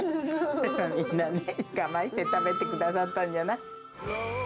だから、みんな我慢して食べてくださったんじゃない。